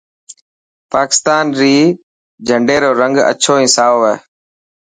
پاڪستان ري جهنڊي رو رنگ اڇو ۽ سائو هي.